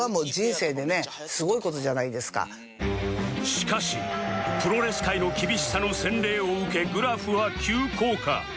しかしプロレス界の厳しさの洗礼を受けグラフは急降下